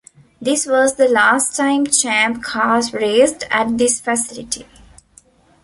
This was the last time Champ Cars raced at this facility.